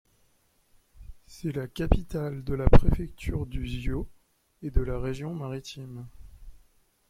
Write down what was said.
C'est la capitale de la préfecture du Zio et de la Région maritime.